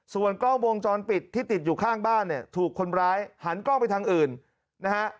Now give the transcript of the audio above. ส่วนกล้องวงจรปิดที่ติดอยู่ข้างบ้านเนี่ยถูกคนร้ายหันกล้องไปทางอื่นนะฮะ